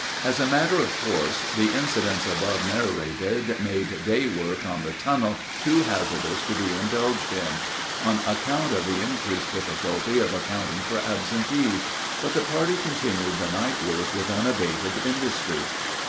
] As a matter of course, the incidents above narrated made day work on the tunnel too hazardous to be indulged in, on account of the increased difficulty of accounting for absentees; but the party continued the night work with unabated industry.